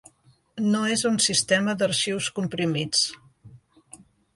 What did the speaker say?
No és un sistema d'arxius comprimits.